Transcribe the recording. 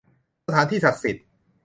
สถานที่ศักดิ์สิทธิ์